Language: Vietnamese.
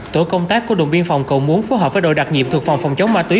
tổ công tác của đồn biên phòng cầu muốn phối hợp với đội đặc nhiệm thuộc phòng phòng chống ma túy